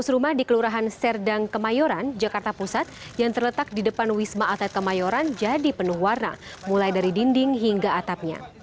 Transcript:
lima ratus rumah di kelurahan serdang kemayoran jakarta pusat yang terletak di depan wisma atlet kemayoran jadi penuh warna mulai dari dinding hingga atapnya